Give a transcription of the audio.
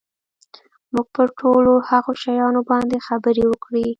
موږ پر ټولو هغو شیانو باندي خبري وکړې.